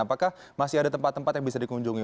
apakah masih ada tempat tempat yang bisa dikunjungi